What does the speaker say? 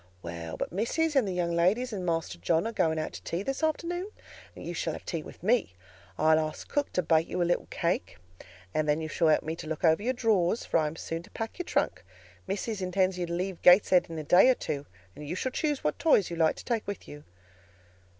Well, but Missis and the young ladies and Master John are going out to tea this afternoon, and you shall have tea with me. I'll ask cook to bake you a little cake, and then you shall help me to look over your drawers; for I am soon to pack your trunk. Missis intends you to leave Gateshead in a day or two, and you shall choose what toys you like to take with you."